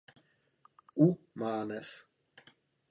U. Mánes.